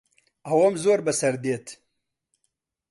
ئەوەم زۆر بەسەر دێت.